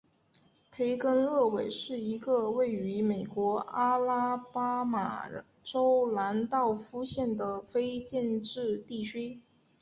培根勒韦是一个位于美国阿拉巴马州兰道夫县的非建制地区。